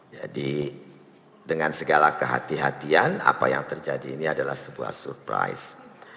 jadi dengan segala kehatian kehatian apa yang terjadi ini adalah sebuah surprise